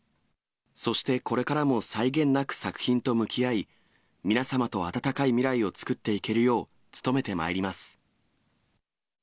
そして、これからも際限なく作品と向き合い、皆様と温かい未来を作っていけるよう努めてまいります。